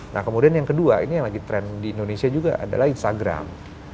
nah kemudian yang kedua ini yang lagi trend di indonesia juga adalah instagram